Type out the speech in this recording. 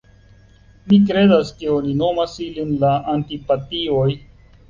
Mi kredas ke oni nomas ilin la Antipatioj."